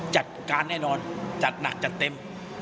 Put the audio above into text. จัดการแน่นอนจัดหนักจัดเต็ม